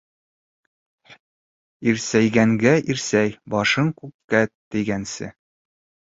Ирсәйгәнгә ирсәй, башың күккә тейгәнсә